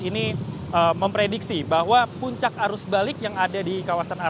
ini memprediksi bahwa puncak arus balik yang ada di kawasan